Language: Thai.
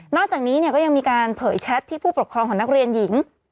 อกจากนี้ก็ยังมีการเผยแชทที่ผู้ปกครองของนักเรียนหญิง